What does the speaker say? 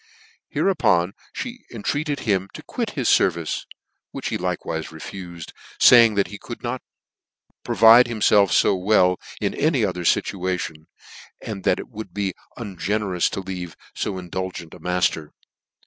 Hereupon (he entreated him to quit his fervice, which he likewife refufed ; fay ing that he could not provide for himielf fo well in any other fituation, and that it would be un generous to leave fo indulgent a matter.